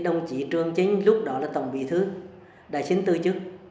đồng chỉ trường chính lúc đó là tổng bị thứ đã xin tử chức